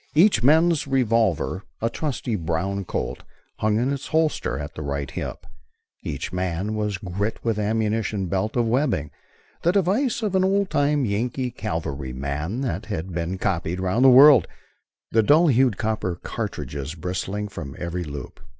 Each man's revolver, a trusty brown Colt, hung in its holster at the right hip. Each man was girt with ammunition belt of webbing, the device of an old time Yankee cavalryman that has been copied round the world, the dull hued copper cartridges bristling from every loop.